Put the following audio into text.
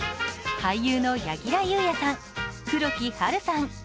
俳優の柳楽優弥さん、黒木華さん